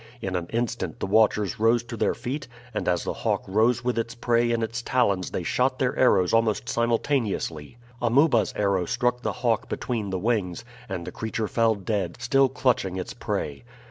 In an instant the watchers rose to their feet, and as the hawk rose with its prey in its talons they shot their arrows almost simultaneously. Amuba's arrow struck the hawk between the wings, and the creature fell dead still clutching its prey.